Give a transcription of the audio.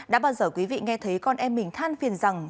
đã bao giờ quý vị nghe thấy con em mình than phiền rằng